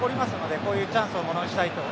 こういうチャンスをものにしないと。